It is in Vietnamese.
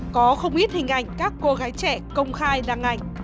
có không ít hình ảnh các cô gái trẻ công khai đăng ảnh